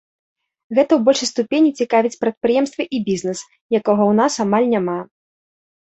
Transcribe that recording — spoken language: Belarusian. Гэта ў большай ступені цікавіць прадпрыемствы і бізнес, якога ў нас амаль няма.